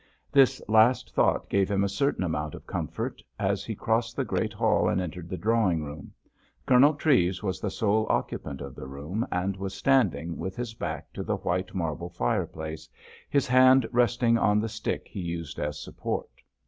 This last thought gave him a certain amount of comfort as he crossed the great hall and entered the drawing room. Colonel Treves was the sole occupant of the room, and was standing with his back to the white marble fire place, his hand resting on the stick he used as support.